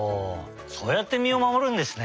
そうやって身をまもるんですね。